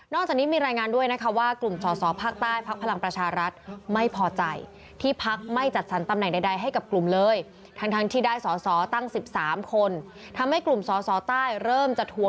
นอกจากนี้มีรายงานด้วยนะคะว่ากลุ่มสอภาคใต้ภาคพลังประชารัฐไม่พอใจ